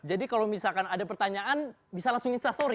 jadi kalau misalkan ada pertanyaan bisa langsung instastory